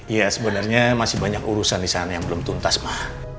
iya sebenernya masih banyak urusan disana yang belum tuntas ma